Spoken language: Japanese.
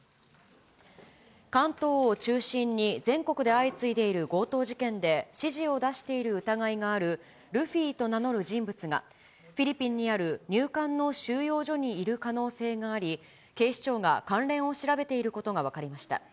関東を中心に全国で相次いでいる強盗事件で指示を出している疑いがあるルフィと名乗る人物が、フィリピンにある入管の収容所にいる可能性があり、警視庁が関連を調べていることが分かりました。